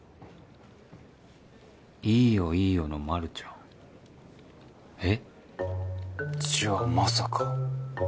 「いいよいいよ」のまるちゃん。え？じゃあまさか。